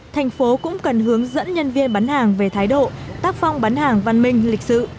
thành phố cũng cần hướng dẫn nhân viên bán hàng về thái độ tác phong bán hàng văn minh lịch sự